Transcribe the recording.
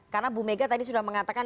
karena bu mega tadi sudah mengatakan